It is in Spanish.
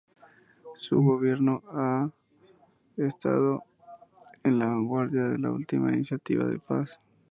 Su gobierno ha estado en la vanguardia de la última iniciativa de paz.